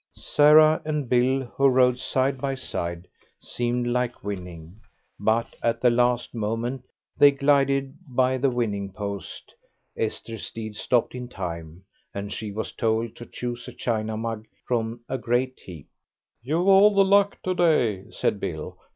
Sarah and Bill, who rode side by side, seemed like winning, but at the last moment they glided by the winning post. Esther's steed stopped in time, and she was told to choose a china mug from a great heap. "You've all the luck to day," said Bill.